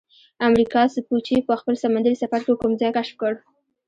امریکا سپوچي په خپل سمندي سفر کې کوم ځای کشف کړ؟